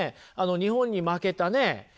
日本に負けたね